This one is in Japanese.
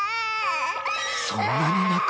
そんなに泣く？